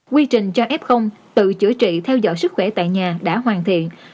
quy trình cho f tự chữa trị theo dõi sức khỏe tại nhà đã hoàn thiện